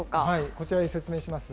こちらで説明します。